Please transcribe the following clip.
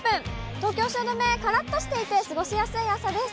東京・汐留、からっとしていて過ごしやすい朝です。